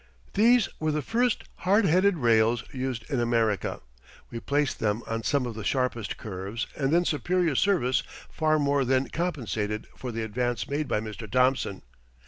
These were the first hard headed rails used in America. We placed them on some of the sharpest curves and their superior service far more than compensated for the advance made by Mr. Thomson.